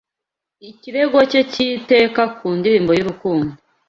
Ikirego cye cy'iteka ku ndirimbo y'urukundo